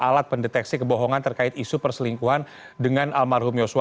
alat pendeteksi kebohongan terkait isu perselingkuhan dengan almarhum yosua